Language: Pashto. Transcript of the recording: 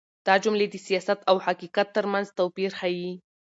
دا جملې د سياست او حقيقت تر منځ توپير ښيي.